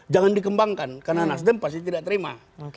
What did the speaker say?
jangan dikembangkan karena nasdem pasti tidak terima